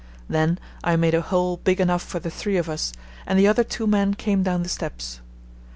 Then I made a hole big enough for the three of us, and the other two men came down the steps.